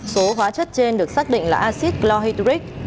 số hóa chất trên được xác định là acid lohitric